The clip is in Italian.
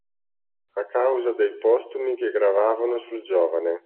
A causa dei postumi che gravavano sul giovane